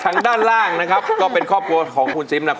ทางด้านล่างนะครับก็เป็นครอบครัวของคุณซิมนะครับ